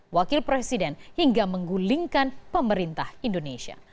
wakil presiden hingga menggulingkan pemerintah indonesia